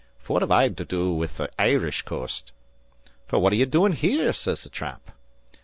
'Fwhat have I to do wid the Irish coast?' "'Then fwhat are ye doin' here?' sez the tramp.